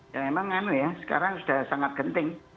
ya memang anu ya sekarang sudah sangat genting